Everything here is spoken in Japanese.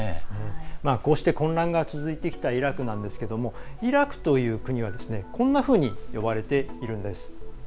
こうして混乱が続いてきたイラクなんですけれどもイラクという国はこんなふうに呼ばれているんです。